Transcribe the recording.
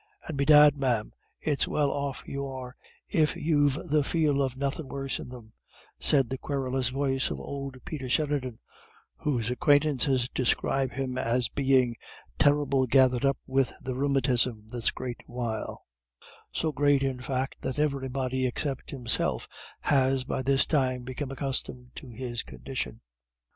"And bedad, ma'am, it's well off you are, if you've the feel of nothin' worse in them," said the querulous voice of old Peter Sheridan, whose acquaintances describe him as being "terrible gathered up with the rheumatism this great while," so great, in fact, that everybody except himself has by this time become accustomed to his condition.